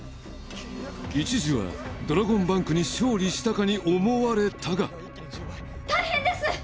一時はドラゴンバンクに勝利したかに思われたが大変です！